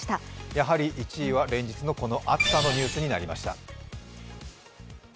やはり１位は連日の暑さのニュースになりました。